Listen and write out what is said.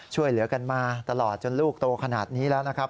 ช่วยเหลือกันมาตลอดจนลูกโตขนาดนี้แล้วนะครับ